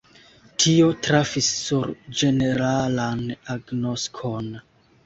Tio trafis sur ĝeneralan agnoskon.